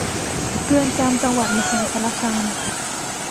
เรือนจำจังหวัดมหาสารคาม